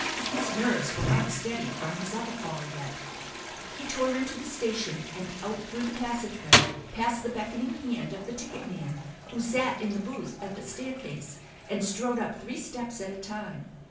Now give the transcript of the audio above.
His nerves were not steady from his other fall yet. He tore into the station and out through the passageway past the beckoning hand of the ticket man who sat in the booth at the staircase, and strode up three steps at a time.